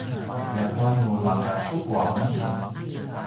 ljakua nu maka supu anga sun